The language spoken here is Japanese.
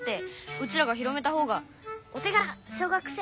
うちらが広めたほうが「おてがら小学生！」